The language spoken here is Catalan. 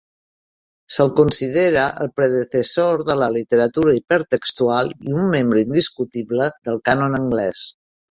Se'l considera el predecessor de la literatura hipertextual i un membre indiscutible del cànon anglès.